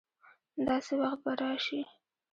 داسي وخت به راشي